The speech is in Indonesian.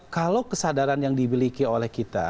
kalau kesadaran yang dimiliki oleh kita